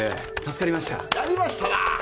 やりましたな！